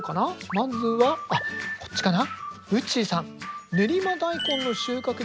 まずはあっこっちかな。